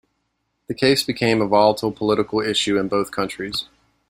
The case became a volatile political issue in both countries.